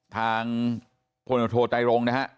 ทางโธว์ไตรงก์นะฮะ